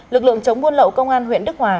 lực lượng chống buôn lậu công an huyện đức hòa